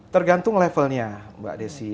tergantung levelnya mbak desy